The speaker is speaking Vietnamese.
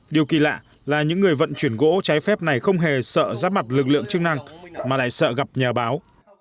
điều kỳ lạ là những người vận chuyển gỗ trái phép này không hề sợ giáp mặt lực lượng chức năng mà lại sợ gặp nhà báo